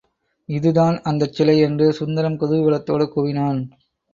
இது தான் அந்தச்சிலை என்று சுந்தரம் குதூகலத்தோடு கூவினான்.